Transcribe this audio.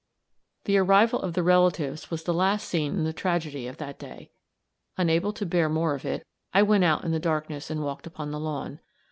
The arrival of the relatives was the last scene in the tragedy of that day. Unable to bear more of it, I went out in the darkness and walked upon the lawn.